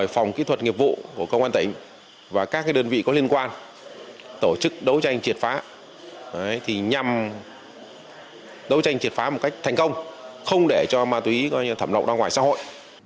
phòng kỹ thuật nghiệp vụ của công an tỉnh và các đơn vị có liên quan tổ chức đấu tranh triệt phá nhằm đấu tranh triệt phá một cách thành công không để cho ma túy thẩm lậu ra ngoài xã hội